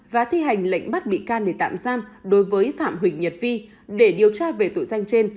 và thi hành lệnh bắt bị can để tạm giam đối với phạm huỳnh nhật vi để điều tra về tội danh trên